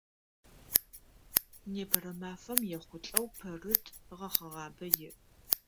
Непэрэ мафэм ехъулӏэу Пэрыт гъэхъэгъабэ иӏ.